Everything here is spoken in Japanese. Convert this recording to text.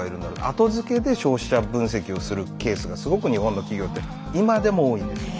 後付けで消費者分析をするケースがすごく日本の企業って今でも多いんですよ。